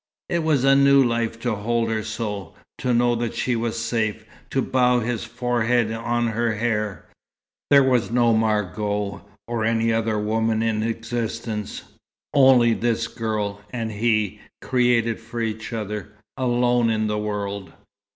It was new life to hold her so, to know that she was safe, to bow his forehead on her hair. There was no Margot or any other woman in existence. Only this girl and he, created for each other, alone in the world.